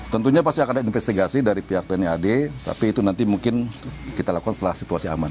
tentunya pasti akan ada investigasi dari pihak tni ad tapi itu nanti mungkin kita lakukan setelah situasi aman